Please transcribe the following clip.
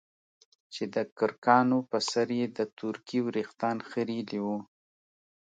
چې دکرکانو په سر يې د تورکي وريښتان خرييلي وو.